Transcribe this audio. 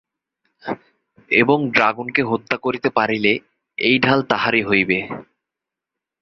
এবং ড্রাগনকে হত্যা করিতে পারিলে এই ঢাল তাহারই হইবে।